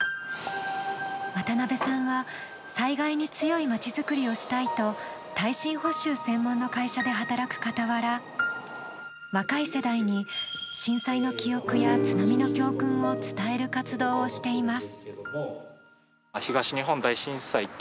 渡邊さんは災害に強い町づくりをしたいと耐震補修専門の会社で働く傍ら若い世代に震災の記憶や津波の教訓を伝える活動をしています。